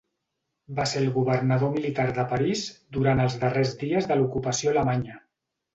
Va ser el governador militar de París durant els darrers dies de l'ocupació alemanya.